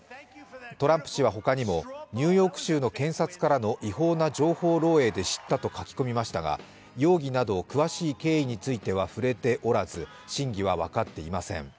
トランプ氏はほかにも、ニューヨーク州の検察からの違法な情報漏えいで知ったと書き込みましたが容疑など詳しい経緯については触れておらず真偽は分かっていません。